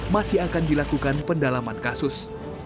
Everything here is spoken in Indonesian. masih akan dilakukan pendalaman kasus